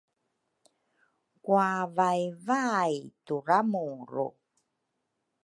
Kwavaivai turamuru